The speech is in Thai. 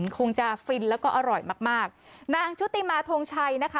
คงจะฟินแล้วก็อร่อยมากมากนางชุติมาทงชัยนะคะ